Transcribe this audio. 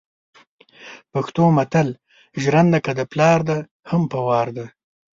پښتو متل ژرنده که دپلار ده هم په وار ده